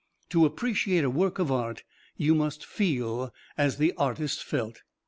To appreciate a work of art you must feel as the artist felt.